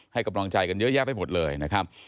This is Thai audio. ให้กำลังใจกันเยอะแยะไปหมดเลยนะครับ